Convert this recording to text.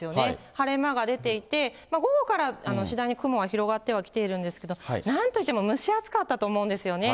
晴れ間が出ていて、午後から次第に雲が広がってはきているんですけど、なんといっても蒸し暑かったと思うんですよね。